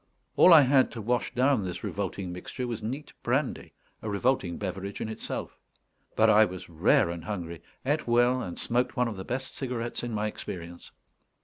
All I had to wash down this revolting mixture was neat brandy: a revolting beverage in itself. But I was rare and hungry; ate well, and smoked one of the best cigarettes in my experience.